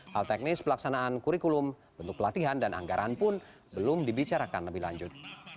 hal teknis pelaksanaan kurikulum bentuk pelatihan dan anggaran pun belum dibicarakan lebih lanjut